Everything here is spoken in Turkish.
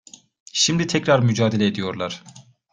Şimdi tekrar mücadele ediyorlar.